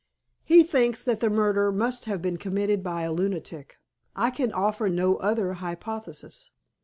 "He thinks that the murder must have been committed by a lunatic. I can offer no other hypothesis."